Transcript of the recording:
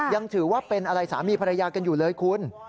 ยังถือว่าเป็นอะไรสามีภรรยากันอยู่เลยคุณ